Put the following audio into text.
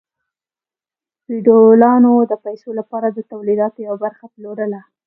فیوډالانو د پیسو لپاره د تولیداتو یوه برخه پلورله.